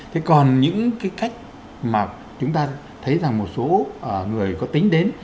thế còn những cái cách mà chúng ta thấy rằng một số người có tính đến